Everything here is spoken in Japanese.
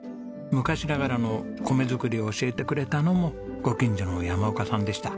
昔ながらの米作りを教えてくれたのもご近所の山岡さんでした。